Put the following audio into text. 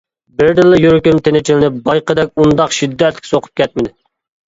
بىردىنلا يۈرىكىم تىنچلىنىپ بايىقىدەك ئۇنداق شىددەتلىك سوقۇپ كەتمىدى.